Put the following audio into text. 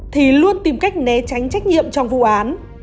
thì luôn tìm cách né tránh trách nhiệm trong vụ án